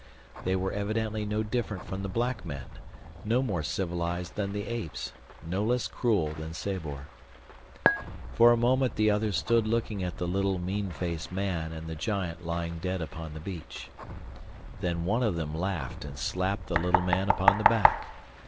They were evidently no different from the black men—no more civilized than the apes—no less cruel than Sabor. For a moment the others stood looking at the little, mean faced man and the giant lying dead upon the beach. Then one of them laughed and slapped the little man upon the back.